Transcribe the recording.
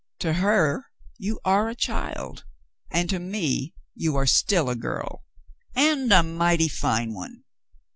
"To her you are a child, and to me you are still a girl, and a mighty fine one."